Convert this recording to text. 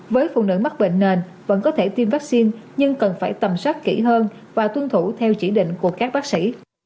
với phụ nữ mắc bệnh nền vẫn có thể tiêm vaccine nhưng cần phải tầm soát kỹ hơn và tuân thủ theo chỉ định của các bác sĩ